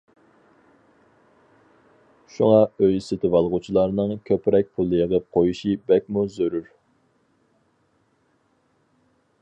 شۇڭا ئۆي سېتىۋالغۇچىلارنىڭ كۆپرەك پۇل يىغىپ قويۇشى بەكمۇ زۆرۈر.